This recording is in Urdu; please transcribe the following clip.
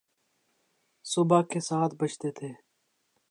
صبح کے سات بجتے تھے۔